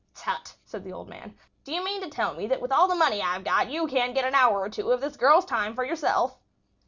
"Tut!" said the old man. "Do you mean to tell me that with all the money I've got you can't get an hour or two of a girl's time for yourself?"